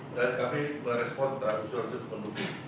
dan kami berespon terhadap usulan itu tersebut